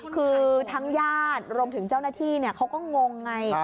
คือทั้งญาติรวมถึงเจ้าหน้าที่เขาก็งงไง